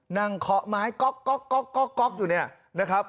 เคาะไม้ก๊อกอยู่เนี่ยนะครับ